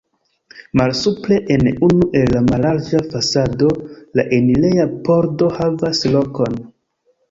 Malsupre en unu el la mallarĝa fasado la enireja pordo havas lokon.